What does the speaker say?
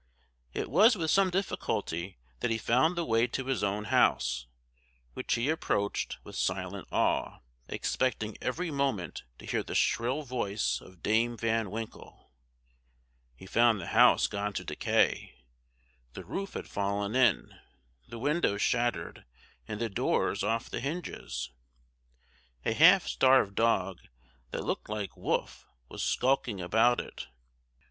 It was with some difficulty that he found the way to his own house, which he approached with silent awe, expecting every moment to hear the shrill voice of Dame Van Winkle. He found the house gone to decay the roof had fallen in, the windows shattered, and the doors off the hinges. A half starved dog, that looked like Wolf, was skulking about it.